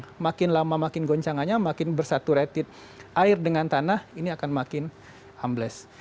maka makin lama makin goncangannya makin bersaturasi air dengan tanah ini akan makin hambles